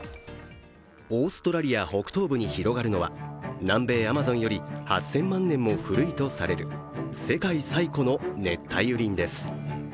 オーストラリア北東部に広がるのは、南米アマゾンより８０００万年も古いとされる世界最古の熱帯雨林です。